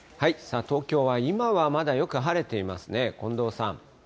東京は今はまだよく晴れていますね。